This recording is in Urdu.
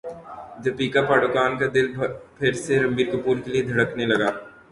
دپیکا پڈوکون کا دل پھر سے رنبیر کپور کے لیے دھڑکنے لگا